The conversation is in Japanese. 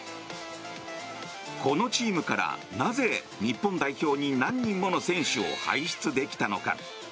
このチームからなぜ日本代表に何人もの選手を輩出できたのか。